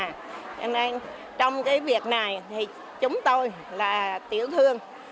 cho nên trong cái việc này thì chúng tôi là tiểu thương